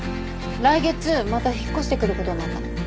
来月また引っ越してくることになったの。